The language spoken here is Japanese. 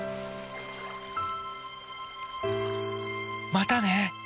またね！